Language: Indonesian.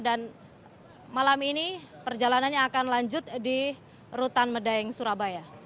dan malam ini perjalanannya akan lanjut di rutan medaeng surabaya